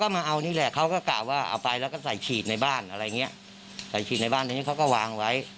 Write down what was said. มีอัน